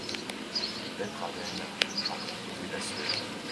Petr Aven a proposé la Suède.